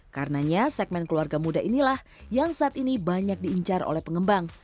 karenanya segmen keluarga muda inilah yang saat ini banyak diincar oleh pengembang